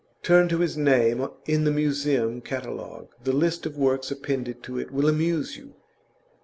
Turn to his name in the Museum Catalogue; the list of works appended to it will amuse you.